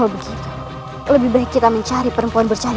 kalau begitu lebih baik kita mencari perempuan bercanda itu